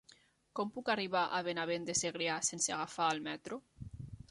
Com puc arribar a Benavent de Segrià sense agafar el metro?